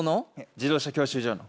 自動車教習所の。